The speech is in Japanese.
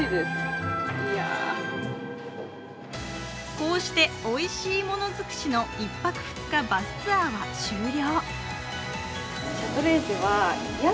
こうして、おいしいものづくしの１泊２日バスツアーは終了。